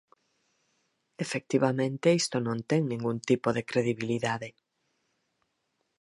Efectivamente, isto non ten ningún tipo de credibilidade.